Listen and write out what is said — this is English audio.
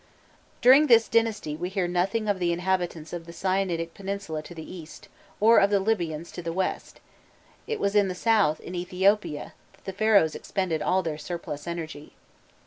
During this dynasty we hear nothing of the inhabitants of the Sinaitic Peninsula to the east, or of the Libyans to the west: it was in the south, in Ethiopia, that the Pharaohs expended all their surplus energy.